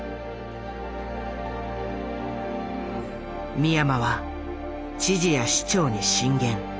三山は知事や市長に進言。